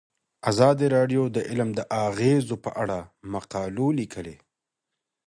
ازادي راډیو د تعلیم د اغیزو په اړه مقالو لیکلي.